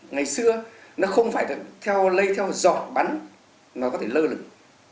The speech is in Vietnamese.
ngày xưa nó không phải lây theo giọt bắn mà có thể lơ lửng